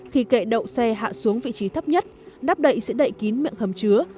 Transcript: khi kệ độ xe hạ xuống vị trí thấp nhất đắp đậy sẽ đậy kín miệng hầm chứa